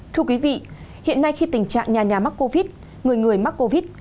thưa quý vị hiện nay khi tình trạng nhà nhà mắc covid người người mắc covid